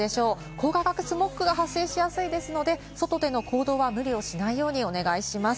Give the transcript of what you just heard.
光化学スモッグが発生しやすいですので、外での行動は無理をしないようにお願いします。